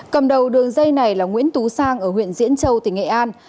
cầm đầu đường dây này là nguyễn tú sang ở huyện diễn châu tỉnh nghệ an